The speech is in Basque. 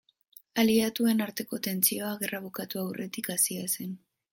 Aliatuen arteko tentsioa gerra bukatu aurretik hasia zen.